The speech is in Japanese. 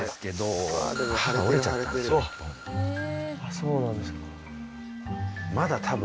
そうなんですか。